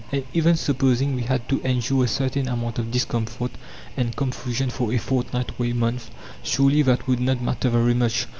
And even supposing we had to endure a certain amount of discomfort and confusion for a fortnight or a month, surely that would not matter very much.